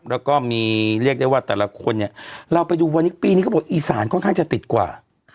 แล้วก็มีเรียกได้ว่าแต่ละคนเนี่ยเราไปดูวันนี้ปีนี้เขาบอกอีสานค่อนข้างจะติดกว่า